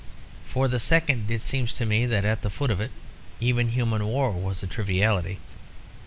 For the second it seemed to me that at the foot of it even human war was a triviality.